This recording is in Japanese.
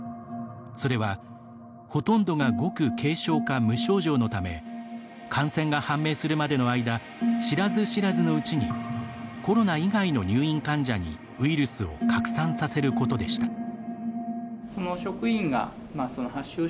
それはほとんどがごく軽症か無症状のため感染が判明するまでの間知らず知らずのうちにコロナ以外の入院患者にウイルスを拡散させることでした。